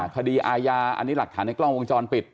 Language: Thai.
คดีอาญาอันนี้หลักฐานในกล้องวงจรปิด